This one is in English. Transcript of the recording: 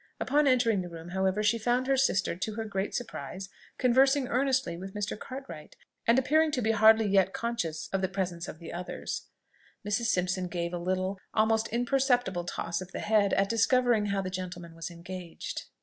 Upon entering the room, however, she found her sister, to her great surprise, conversing earnestly with Mr. Cartwright, and appearing to be hardly yet conscious of the presence of the others. Mrs. Simpson gave a little, almost imperceptible toss of the head, at discovering how the gentleman was engaged.